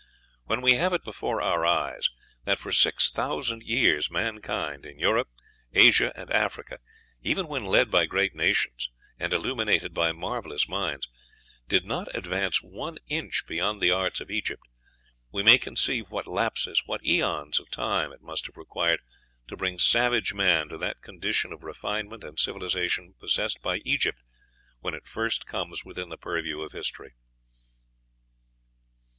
When we have it before our eyes that for six thousand years mankind in Europe, Asia, and Africa, even when led by great nations, and illuminated by marvellous minds, did not advance one inch beyond the arts of Egypt, we may conceive what lapses, what aeons, of time it must have required to bring savage man to that condition of refinement and civilization possessed by Egypt when it first comes within the purview of history.